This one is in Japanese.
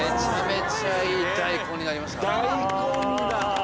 大根だ。